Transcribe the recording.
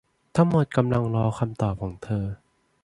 ทั้งหมดกำลังรอคำตอบของเธอ